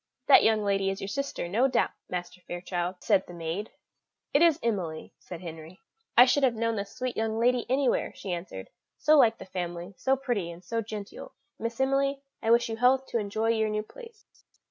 "That young lady is your sister, no doubt, Master Fairchild," said the maid. "It is Emily," said Henry. "I should have known the sweet young lady anywhere," she answered; "so like the family, so pretty and so genteel. Miss Emily, I wish you health to enjoy your new place."